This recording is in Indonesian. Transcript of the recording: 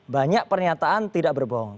banyak pernyataan tidak berbohong